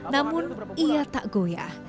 namun ia tak goyah